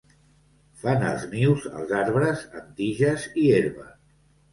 Fan els nius als arbres amb tiges i herba.